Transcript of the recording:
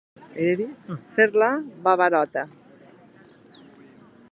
Fer la babarota.